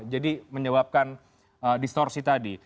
jadi menyebabkan distorsi tadi